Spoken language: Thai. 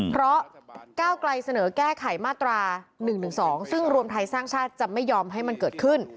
เพราะก้าวไกลเสนอแก้ไขมาตรา๑๑๒ซึ่งรวมไทยสร้างชาติจะไม่ยอมให้มันเกิดขึ้น